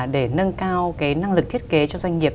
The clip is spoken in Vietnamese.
để nâng cao năng lực thiết kế cho doanh nghiệp